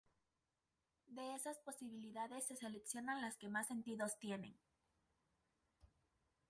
De esas posibilidades se seleccionan las que más sentido tienen.